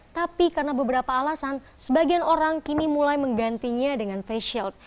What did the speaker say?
tapi karena beberapa alasan sebagian orang kini mulai menggantinya dengan face shield